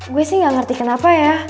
gue sih gak ngerti kenapa ya